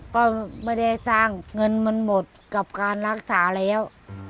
ก็ไม่ได้สร้างเงินมันหมดกับการรักษาแล้ว